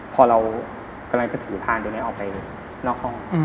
พอเรากำลังจะถือพานตัวนี้ออกไปนอกห้อง